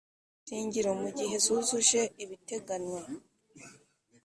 shingiro mu gihe zuzuje ibiteganywa